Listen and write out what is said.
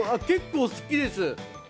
結構好きです。